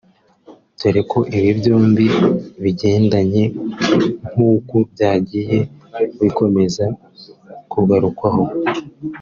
dore ko ibi byombi bigendanye nk’uko byagiye bikomeza kugarukwaho